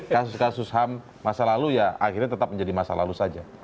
kasus kasus ham masa lalu ya akhirnya tetap menjadi masa lalu saja